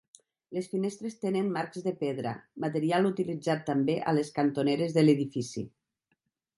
Les finestres tenen marcs de pedra, material utilitzat també a les cantoneres de l'edifici.